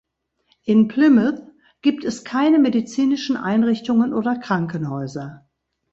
In Plymouth gibt es keine medizinischen Einrichtungen oder Krankenhäuser.